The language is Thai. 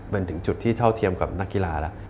มันถึงจุดที่เท่าเทียมกับนักกีฬาแล้ว